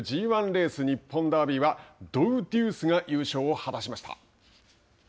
Ｇ１レース日本ダービーはドウデュースが優勝を果たしました。